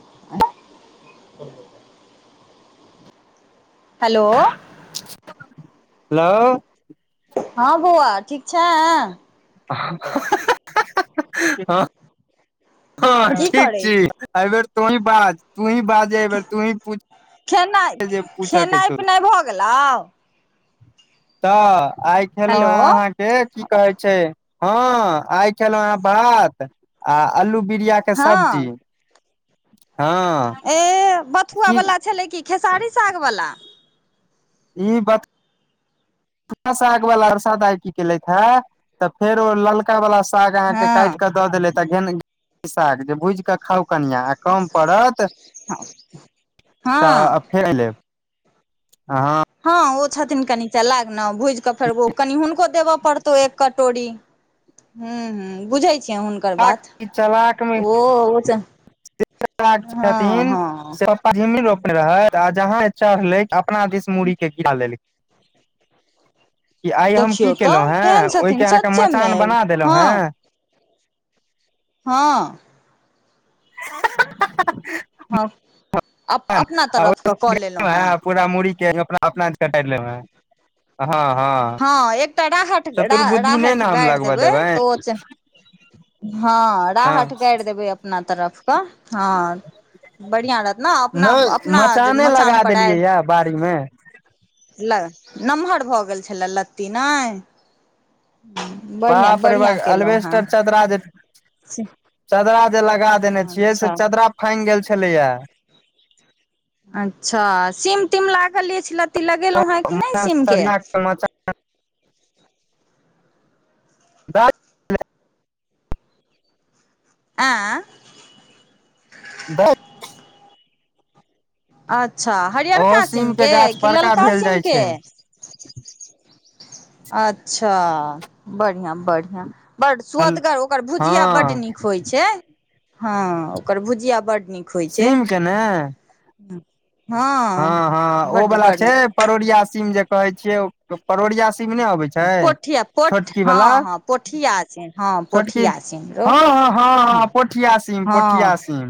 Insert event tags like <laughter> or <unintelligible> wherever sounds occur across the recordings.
<inaudible> hello hello हँ बौआ ठीक छै हँ हँ की ठीक करै छी एहि बेेर तोहि बाज तूहीं बाज इ बेर तूही पूछ जे पुछ के छै भेलों तऽ आइ खेलहु हेलो हें अहाँक से की कहे छै हँ आइ खेलहुं है भात आ अलू बिरिया के सब्जी हँ हँ ए बथुआ की वला छलै कि खेसारी साग बला ई बात थूआ साग वाललासाद की केलथि हे तऽ फेर ओ ललक हँ काट कऽ दऽ देलक है जे भुज के खाउ कनिया आ कम पड़त <inaudible> हँ तऽ फेर लेब अहाँ हँ ओ छथिन कनि चलाक ने भुजि कऽ फेर ओ कनि हुनको देबऽ पड़तौ एक कटोरी हूँ हूँ बुझै छियै हुनका चलाक मे तऽ जे चलाक हँ छथिन हँ पहिन नहि रोपने रहय आ जहां चढ़ले अपना दिस मुूड़ी के गिरा लेलखिन कि आइ हम की देखियौ केलहुँ तऽ हें केहन छथिन ओहिके अहाँके सच्चेमे मचान बना देलहुँ हँ हेँ हँ <unintelligible> हँ अप अपना तरफके कऽ लेलहुँ हेँ पूरा मुरड़ी के अपना अपना दिशन टाइर लेलहु ए ह हँ हँ हँ एकटा राहत चतुर्बुद्धि नहि ने हम गारि लगबऽ देबै देबनि तऽ ओ हँ हँ राहत गारि देबै अपना तरफके हँ बढ़िया रहत ने अपना नहि अपना मचाने मचान लगा पड़ आ देलियै ये बाड़ी मे ल नमहर भऽ गेल छलए लत्ती नहि <inaudible> बापरे ब अलबेस्टर चदरा जे से चदरा जे लगा देने छियै से चदरा फांग गेल छलैया अच्छा सीम तिम लागल ल छल लत्ती लगेलहुँ हेँ कि नहि सीमके द <unintelligible> आँ दस <unintelligible> अच्छा ओहो हरिअरका सीम के सीमके गाछ कि बड़का ललका भेल जाइ सीमके छै अच्छा बढ़िया बढ़िया बड हल सुदगर ओकर भुजिया बड हँ नीक होइ छै हँ ओकर भुजिया बड नीक सीम के ने ह <inaudible> हँ हँ ओ वाला छै परोरिया सीम जे कहे छियै परोरिया सीम ने अबै छै छै पोठिया पोठ छोटकी बला हँ हँ पोठिया सिन हँ छोटकी पोठिया सिन रौ हं हं हँ हं पोठिया सीम पोठिया हँ सीम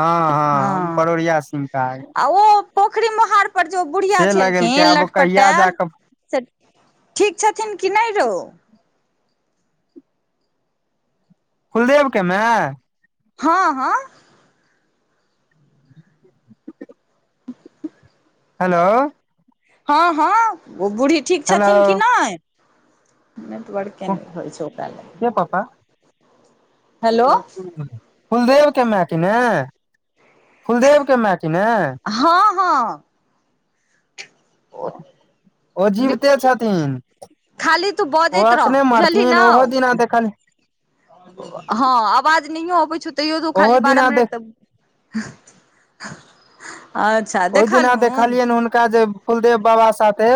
हँ हँ परोरिया सिम कहा गे आ ओ पोखरि मोहार पर जो बुढ़िया से लगेलकै छलखिन आब ओ कहिया लटपटायल जाकऽ से ठीक छथिन कि नहि रौ कुलदेव के माए हँ हँ <unintelligible> हेलो हँ हँ ओ बूढ़ी ठीक हेलो छथिन कि नहि केना होइ छै ओकरा ल ए पापा ओ करू फुलदेव के मायक ने फुलदेव के माय के ने हँ हँ ओ जीविते छथिन खाली तू बऽ ओ दैत रह अखने बुझलि मरथिन न ओहो दिना देखल हँ आवाज नहि अबै छौ तैयो तु ओहो खाली बारह दिना देख मिनट तऽ आ ओहि दिना देखलियनि हुनका जे फुलदेव बाबा साथे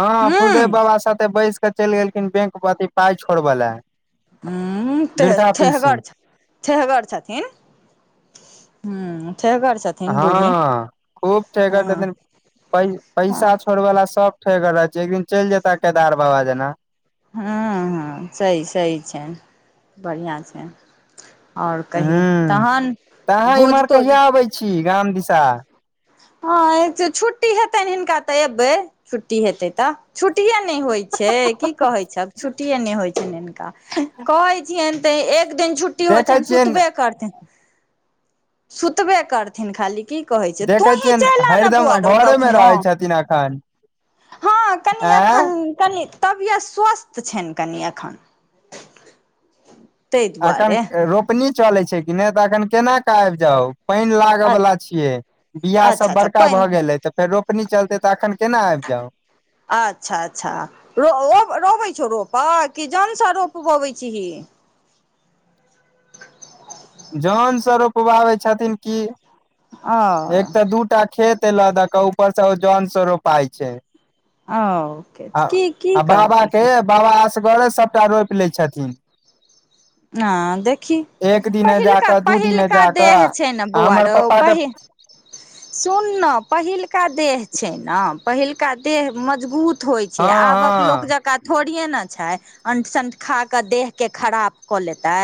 हँ हूँ फुलदेव बाबा साथे बैस कऽ चलि गेलखिन बैंक अथी पाय छोड़ब लए उं त थेहगर छ थेहगर छथिन हुं थेहगर छथिन बूढ़ी हँ खूब थेहगर हँ छथिन प हँ पैसा छोर वला सब ठेहगर रहै छै एक दिन चलि जेता केदार बाबा जेना ह्मँ हँ सही सही छै बढ़िआँ छै ओर कहि हूँ तहन तऽ अहाँ भोज इम्हर तोज कहिया अबै छी गाम दिशा हँ छुट्टी हेतनि हिनका तऽ एबै छुट्टी हेतै तऽ छुट्टीेए नहि होइत छै की कहैत छ छुट्टिये नहि होइत छनि हिनका कहै छियेन तऽ एक दिन छुट्टी होइ छै देखै ने छियनि सुतबे करथिन सुतबे करथिन खाली की कहे छै जे देखै तोही छियनि चलि आन' हरदम बौआ रौ घरे मे कखनो रहै छथिन एखन हँ कनि आँय अखन कनि तबियत स्वस्थ छनि कनि एखन ताहि एखन दुआरे रोपनी चलैत छै कि नहि तऽ एखन केन के आबि जाउ पानि लागऽ बला छियै बियाह अच्छा सब अच्छा बड़का भऽ पानि गेलै तऽ फेर रोपनी चलतै तऽ एखन केना आबि जाउ अच्छा अच्छा रो रोबै छौ रोपऽ कि जनसँ रोपबबैत छीही जऽन से रोपबाबे छथिन की एक ओ तऽ दूटा खेत एल द के ऊपरसँ जन सँ रोपाइ छै ओ आ की की आ बाबा के करबिही बाबा असगरे सबटा रोपि लै छथिन हँ देखही एक दिने पहिलका जाकऽ दू दिने पहिलका जाकऽ देह छै ने आ बौआ हमर रौ पप्पा के पहि सुन पहिलका देह छै ने पहिलका देह मजबूत होइत छै हँ आबक लोक हँ जकाँ थोड़िये ने छै अंटसन्ट खााकऽ देहके खराप कऽ लेतै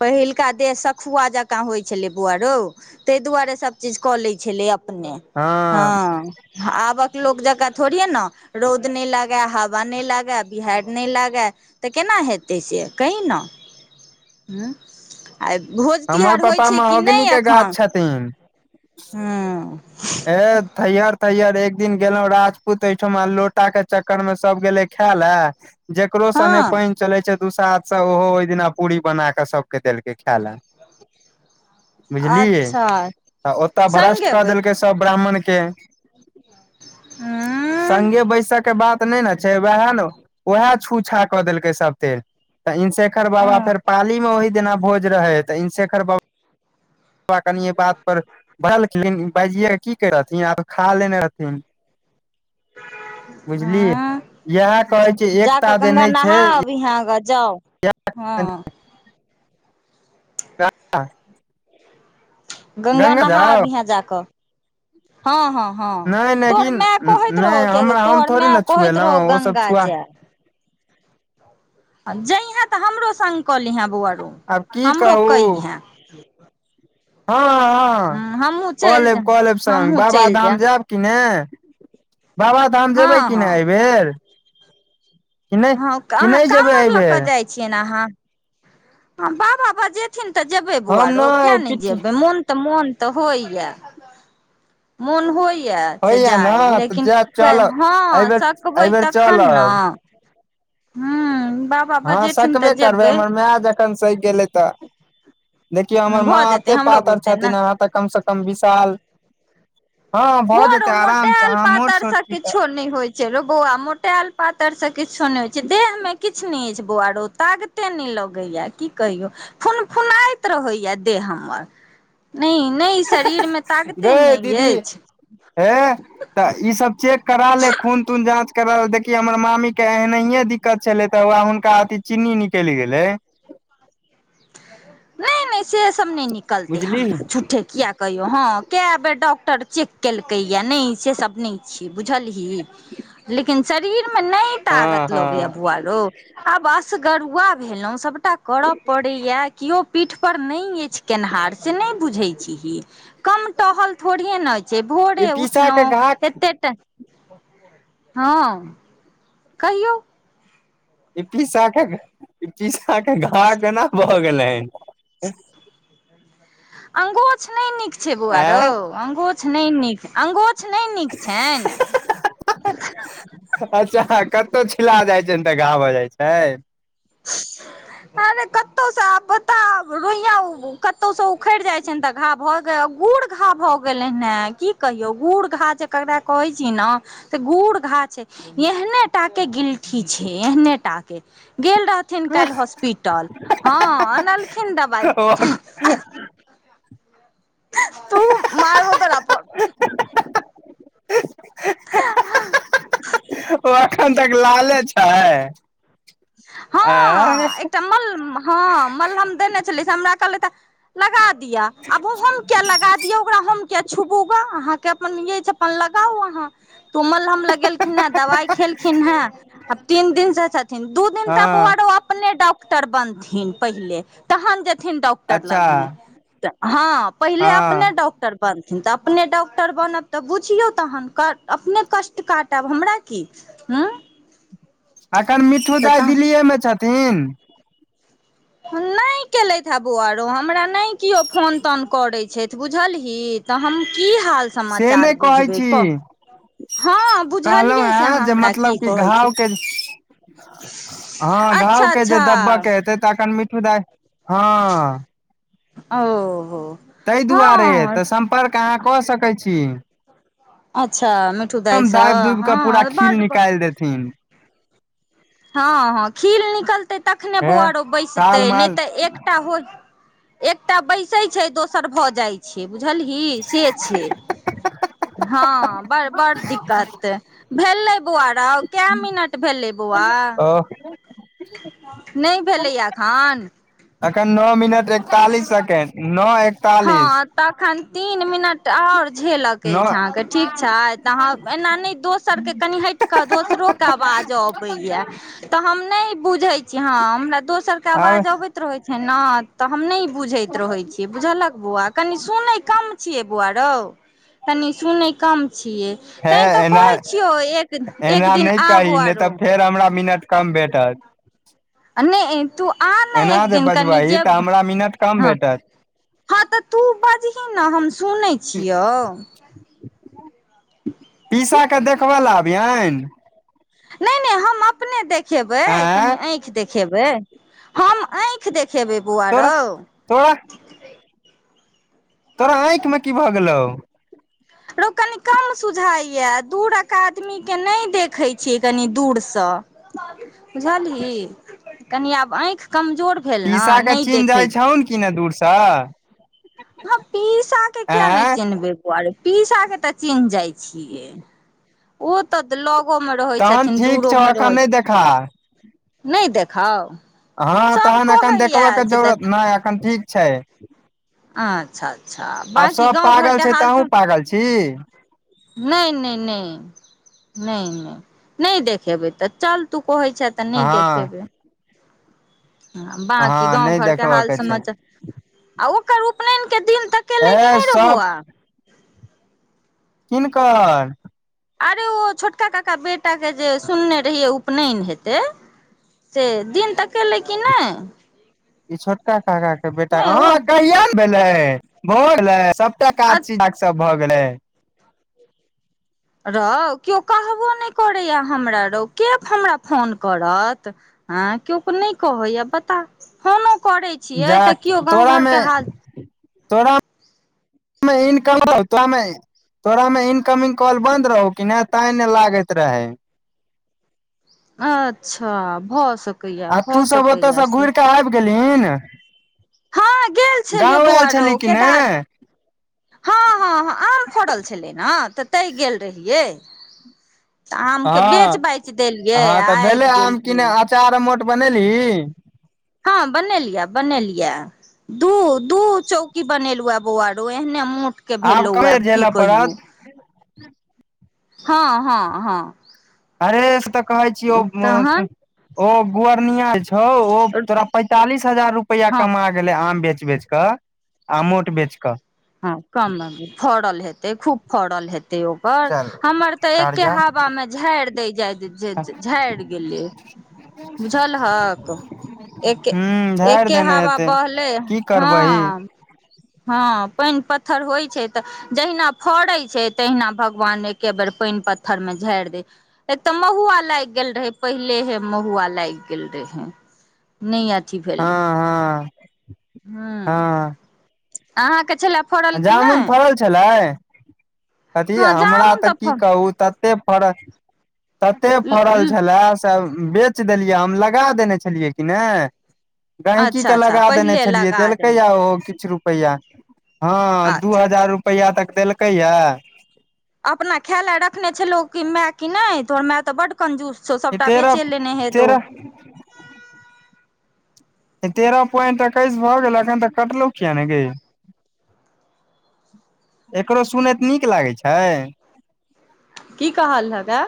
पहिलका देह सखुआ जँकाँ होइ छलै बौआ रौ तहि दुआरे सभचीज कऽ लै छेलै अपने हँ हँ आबक लोक जकाँ थोड़ी हे ने रौद नहि लागा हवा नहि लागा बिहाड़ि नहि लागा तऽ केना हेतै से कहीं ने उंम्म आइ भोज हमर तिहार होइ पप्पा छै कि महोगनी नहि के गाछ एखन छथिन हूंम्म हे थैहर थैहर एक दिन गेलहुं राजपूत ऐठुमा लोटा के चक्कर मे सब गेले खाय ले जेकरो सँ नहि हँ पानि चले छै दूसाथ से ओहो ओहि दिना पूरी बना कऽ सबके देलकै खाय ले बुझलियै अच्छा आ ओतऽ भ्रष्ट संगे कऽ बैठ देलकै सब ब्राह्मण के उं सङ्गे बैसै के बाद तऽ नहि ने छै वएह ने उएह छूछा कऽ देलकै सब तेल तऽ इनशेखर बाबा अं फेर पालीमे ओहि दिना भोज रहे तऽ इनशेखर बाबा कनि बात पर भरलख बाजिये <unintelligible> की कर रहथिन आब खा लेने रहथिन बुझलियै अं इएह कहै छै एकता जे नहि छै बिहँगा जाउ हँ जा गौगा नहा अबिहें जाकऽ हँ हँ हँ नहि नहि तोहर की मे कहैत नहि रहौ से हमरा हम तोहर थोड़े मे ने कहैत रहौ छुएलहुँ ओ सब गंगा छुआ जेय जइहे तऽ हमरो सङ्ग कऽलिहे बौआरौ आब की कहू हँ हँ हमहूँ कऽ चलि लेब कऽ जायब लेब सङ्ग हमहूँ चलि बाबाधाम जायब कि ने बाबाधाम जेबै हँ कि नहि हँ एहिबेर कि नहि हँ कि अहाँ नहि जेबै काँवर लऽ कऽ एहिबेर जाइ छियै ने अहाँ बाबा बजेथिन तऽ जेबै हम बौआरो किया नहि पीठ जेबै मोन तऽ मन तऽ होइय मन होइ कि से होइया ने जाइ तऽ लेकिन जायब चलब हँ एहिबेर सकबै एहिबेर तखन ने चलब हूंम्म बाप हँ सकबे करबै हमर माय जखन सकि गेलै तऽ देखियौ हमर माँ भऽ जेतै एते हमरो पातर बुते ने छथिन अहाँ तऽ कम से कम विशाल हँ भऽ बौआ रौ जेतै आरामसँ मोटायल अहाँ मोट पातर सोंट से छी तऽ किछो होइ छै रो बौआ मोटेल पातर से किछो नहि होइ छै देह मे किछु नहि अछि छै बौआ रो ताग कते नहि लगैया की कहियो फुनफुनाइत रहैया देह हमर नहि नहि शरीरमे तागते गै नहि दीदी अछि हे तऽ ई सब चेक करा ले खून तून जाँ च करल देखी हमर मामी के एनाहियए दिक्कत छले तऽ हुनका अथी चीन्नी निकलि गेलै नहि नहि से सभ नहि निकलतै बुझली हमरा झूठे किए कहियौ हँ कए बेर डॉक्टर चेक केलकैए नहि से सभ नहि छियै बुझलही लेकिन शरीरमे नहि कटा हँ तागत लगैया हँ बुआरो आब असगरुआ भेलहुँ सभटा करय पड़ैया केओ पीठपर नहि अछि केनिहार से नहि बुझैत छीही कम टहल थोड़िये न जे ई भोरे पीसा के घाक उठलहु एतेटा हँ कहियौ ई पीसा पीसा के घाव केना भह गेल हन <inaudible> अंगुछ नहि नीक छै बौआ रौ आँ अंगूछ नहि नीक अंगुछ नहि नीक छनि अच्छा कतौ छिला जाइ छै ने तऽ घा भ जाइ छै अरे कतो साब बता रोया कतो स उखड़ि जाइ छ त घा भऽ गेल गुड़ घा भऽ गेलै ने की कहियो गुड़ घा जे ककरा कहै छी ने तऽ गुड़ घा छै एहने टा के गिलठी छै एहने टा के गेल रहथिन काल्ह हॉस्पिटल हँ अनलखिन दबाइ ओ तू मारबो तोरा अपन ओ एखन तक लाले छै आँ हँ एकटा मल हँ मलहम देने छलिय से हमरा कहलै तऽ लगा दिया अब हम क्या लगा दियो ओकरा हम कि छुबूगा अहाँके अपन य अपन लगाउ अहाँ तूमल हम लगेलखिन हे दवाई खेलखिन हे आब तीन दिन से छथिन दू दिन तक ओ हँ आरो अपने डॉक्टर बनथिन पहिले तहन जेथिन डॉक ड्टर अच्छा लग मे त हँ पहिले अपने हँ डॉक्टर बनथिन तऽ अपने डॉक्टर बनब तऽ बुझियौ तहन अपने कष्ट काटब हमरा की हँ अखन मिट्ठू दाइ दिल्लीए मे छथिन नहि केलथि हे बौआरो हमरा नहि केओ फोन तोन करै छैथ बुझलही तऽ हम की हाल से समाचार नहि कहै बुझबै छी क हँ कहलहुं बुझलियै से हें अहाँ जे हमरा की मतलब कि कहैत घाव छै के हँ घाव के जे दब्बके हेतै तऽ एखन मिठू दाय हँ ओहो तहि दुआरे हँ तऽ सम्पर्क अहाँ कऽ सकै छी अच्छा मिठू द दाइसँ दाब दुूब कऽ पूरा हँ खिल बड निकाल देथिन हँ हँ खीर निकलतै तखने हे बौआरो बैसतै ताल नहि माल तऽ एकटा हो एकटा बैसै छै दोसर भऽ जाइ छै बुझलही से छै हँ बड़ बड़ दिक्कत भेले बौआरा के मिनट भेलै बौआ बोओ ओ नहि भेलैया अखन अखन नओ मिनट एकतालिस सेकेंड नओ एकतालिस हँ तखन तीन मिनट आओर झेलक नओ अछिहके ठीक छै तऽ ह एना नहि दोस सबके कनी हैट कऽ दोसरो के आवाज अबैया तऽ हम नहि बुझै छीय हँ हमरा दोसर के आब आवाज अबैत रहै छै ने तऽ हम नहि ई बुझैत रहै छियै बुझलक बौआ कनि सुनै कम छियै बौआ रौ कनि सुनै कम छियै हे तैँ तऽ एना कहै छियौ एक एक एना दिन नहि आबो कही नहि आरो तऽ फेर हमरा मिनट कम भेटत नहि तू आ नहि एना एक जे दिन कनी बजबही तऽ जेब हमरा मिनट कम हँ भेटत हँ तऽ तू बजही ने हम सुनैत छियौ <inaudible> पीसा के देखबै लए आबियनि नहि नहि हम अपने देखेबै आँय कनी आँखि देखे देखेबै हम आँखि देखेबै बौआ तोरा रौ तोरा तोरा आँखि में की भए गेलौ रो कनि कम सुझाइ यए दूरक आदमी के नहि देखैत छीयै कनी दूर सँ बुझली कनी आब आँखि कमजोर भेल ने पीसा के नहि चीन्ह देखै जाइ छौन कि ने दूर से ह पीसा के किया नहि चिन्हबे बुआ रे पीसा के तऽ चिन्ह जाइ छियै ओ तऽ लगो मे रहै तहन छथिन ठीक दूरो छौ मे एखन नहि रहैन देखा नहि देखाउ हँ सब तहन एखन कहैया देखबय के से जरूरत देख नहि अखन ठीक छै अच्छा अच्छा बाँकी गाँव घर के हाल सब लगल छी नहि नहि नहि नहि नहि नहि देखेबै तऽ चल तू कहै छ तऽ नहि हँ देखेबै बकी हँ गाँंव नहि घर के देखबऽ हाल छै समाचार आ ओकर उपनयन के दिन तक ए सब किन्कर अरे ओ छोटका काका बेटा के जे सुनने रहियै उपनयन हेतै से दिन तकेलै कि नहि ई छोटका काका के बेटा नहि ओ कहिय ने भेले भो सबटा काज छ ई सब भऽ गेलै रौ केओ कहबो नहि करैए हमरा रौ के हमरा फोन करत आँ केओ के नहि कहैएा बता फोनो करैत छियै तऽ केओ गाँउ घर के हाल थोड़ा इनक तमे तोरा में इनकमिंग कॉल बंन्द रहौ कि नहि तां नहि लागैत रहे अच्छा भऽ सक आ तू सब ओतय से घुर कऽ आबि गेलहीन हँ गेल छलियै बौआ रो कि ने केदार हँ हँ हँ आम फड़ल छलै ने तऽ तय गेल रहियै तऽ आम के बेच हँ बच देलियै आबि गेलियै आचार अमोट बनेली हँ बनेलियै बनेलियै या दू दू चौकी बनेलहुँ आ बौआरो एहने मोट के भेलहु कमे आब की झेलऽ पड़त कहियोब हँ हँ हँ अरे से तऽ कहे छीय ओ तहन ओ बोर्निया छै हौ ओ तोरा पैंतालीस हजार रुपआ हँ कमा गेलै आम बेच बेच कऽ आ मोट बेच कऽ हँ कम फड़ल हेतै खूब फड़ल हेतै ओकर चल हमर तऽ एके कार्या हवा मे झाड़ि दै जाय झाड़ि गेलै बुझलहक एके हूँ झाड़ि एके देने हवा हेतै बहले की करबही हँ हँ पानि पत्थर होइ छै तऽ जहिना फड़ै छै तहिना भगवान एके बेर पानि पत्थर मे झाड़ि देै एक तऽ महुआ लागि गेल रहै पहिले हे महुआ लागि गेल रहे नहि अथी हँ भेलै हँ हँ हँ आहा के छलल जामुन फड़ल छलै कथी हँ हमरा जामुन तऽ की कहू तते फड़ल तते फड़ल छलै त बेच देलियै हम लगा देने छलियै कि ने गहिकी अच्छा के अच्छा लगा देने पहिले छलियै लगा देलकै देने या ओहो किछु रुपैया हँ दू अच्छा हजार रुपया तक देलकै यै अपना खैलै रखने छैलै कि माइ कि नहि तोहर माइ तऽ बड्ड कंजूस छौ सबटा बेचे लेने हे तो ह <inaudible> <inaudible> तेरह पोइंट एकैस भऽ गेल अखन तऽ कटलहु किया ने गै एकरो सुनैत नीक लागैत छै की कहलहक ऐ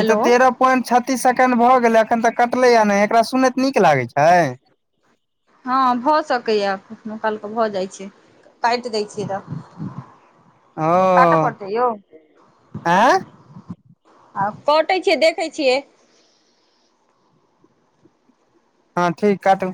ई तऽ तेरह पोइंट छत्तीस सेकेंड भए गेले अखन तऽ कटले आ ने एकरा सुनैत नीक लागे छै हँ भऽ सकैया कखनो कालके भऽ जाइ छै काइट दैत छियै तऽ ओ काटऽ पड़तै यौ आँय आ कटै छियै देखैत छियै हँ ठीक काटू